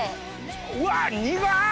うわ苦っ！